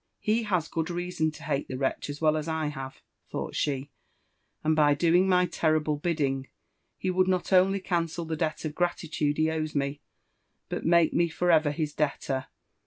" lie has good veason to hate the wretch, as well as I have, " thought she; and by doing my terrible bidding, he would not only cancel the debt of gratitude he owes me, but make me for ever his debtor.